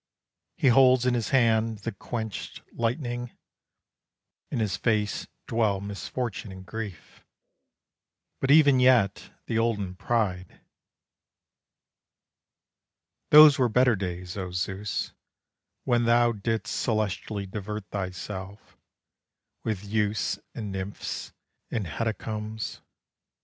He holds in his hand the quenched lightning, In his face dwell misfortune and grief; But even yet the olden pride. Those were better days, oh Zeus, When thou didst celestially divert thyself With youths and nymphs and hecatombs.